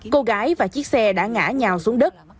cô gái và chiếc xe đã ngã nhào xuống đất